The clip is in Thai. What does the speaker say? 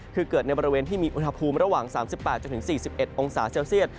คือเกิดในบริเวณที่มีอุณหภูมิระหว่าง๓๘๔๑องศาเซลเซียต